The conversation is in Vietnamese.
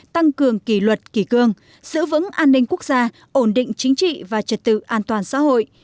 tăng cường kỷ luật kỷ cương giữ vững an ninh quốc gia ổn định chính trị và trật tự an toàn xã hội